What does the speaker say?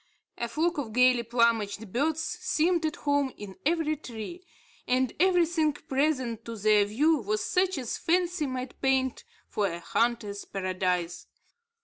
A flock of gayly plumaged birds seemed at home in every tree; and everything presented to their view was such as fancy might paint for a hunter's paradise.